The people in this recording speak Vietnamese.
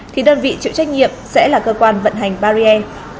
thì đơn vị chịu trách nhiệm sẽ là cơ quan vận hành barrier